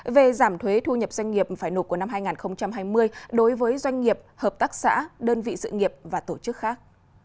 về giảm thuế thu nhập doanh nghiệp phải nộp của năm hai nghìn hai mươi đối với doanh nghiệp hợp tác xã đơn vị sự nghiệp và tổ chức khác